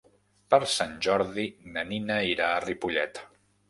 Per Sant Jordi na Nina irà a Ripollet.